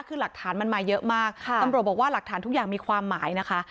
คือหลักฐานมันมาเยอะมากตำรวจบอกว่าหลักฐานทุกอย่างมีความหมายนะคะ